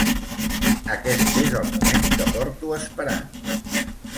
Aquest és el moment que porto esperant.